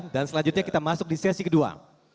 dan selanjutnya kita masuk di sesi kedua